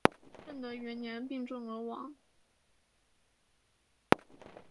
以甲钴胺为主要的研究对象。